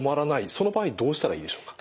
その場合どうしたらいいでしょうか？